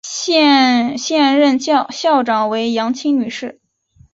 现任校长为杨清女士。